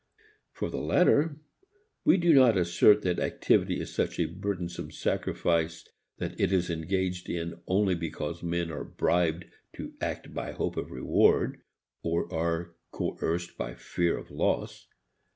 For the latter we do not assert that activity is such a burdensome sacrifice that it is engaged in only because men are bribed to act by hope of reward or are coerced by fear of loss.